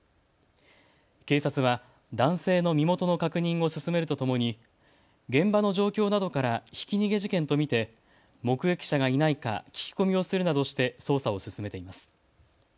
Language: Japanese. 警察は男性の身元の確認を進めるとともに現場の状況などからひき逃げ事件と見て目撃者がいないか聞き込みをするなどして捜査を進めています。